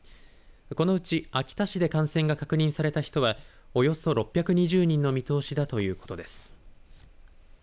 このうち秋田市で感染が確認された人はおよそ６２０人の見通しだということです。